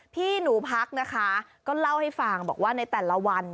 พี่หนูพักนะคะก็เล่าให้ฟังบอกว่าในแต่ละวัน